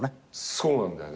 そうなんだよね。